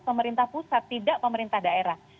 pemerintah pusat tidak pemerintah daerah